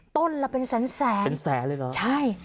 ต้นอะเป็นแสนแสะ